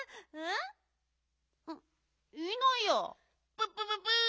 ・プップププ！